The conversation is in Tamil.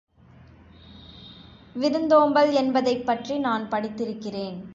விருந்தோம்பல் என்பதைப்பற்றி நான் படித்திருக்கிறேன்.